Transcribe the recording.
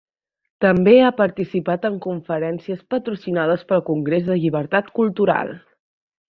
També ha participat en conferències patrocinades pel Congrés de llibertat cultural.